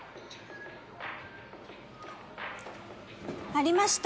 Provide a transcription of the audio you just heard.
ありました。